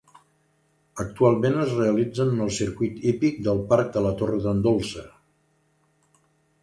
Actualment es realitzen en el circuit hípic del Parc de la Torre d'en Dolça.